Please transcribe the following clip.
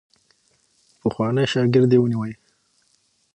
پخوانی شاګرد ونیوی.